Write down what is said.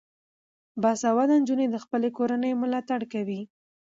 باسواده نجونې د خپلې کورنۍ ملاتړ کوي.